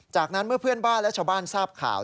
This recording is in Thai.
จากนั้นเมื่อเพื่อนบ้านและชาวบ้านทราบข่าว